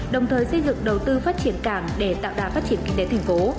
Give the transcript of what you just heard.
đồng thời xây dựng đầu tư phát triển cảng để tạo đà phát triển kinh tế thành phố